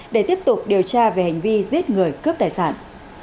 để tiếp tục điều tra về hành vi giết người cướp tài sản